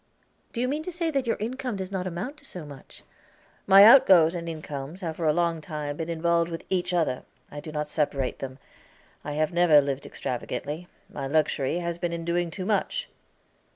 "Do you mean to say that your income does not amount to so much?" "My outgoes and incomes have for a long time been involved with each other. I do not separate them. I have never lived extravagantly. My luxury has been in doing too much."